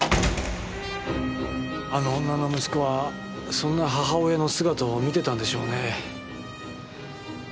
あの女の息子はそんな母親の姿を見てたんでしょうね。